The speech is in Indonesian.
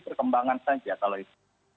perkembangan saja kalau itu